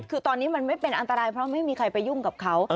คือตอนนี้มันไม่เป็นอันตรายเพราะไม่มีใครไปยุ่งกับเขา